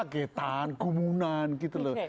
kagetan kumunan gitu loh